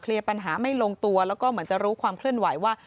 ปัญหาไม่ลงตัวแล้วก็เหมือนจะรู้ความเคลื่อนไหวว่า